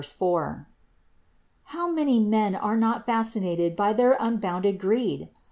How many men are not fascinated by their unbounded greed?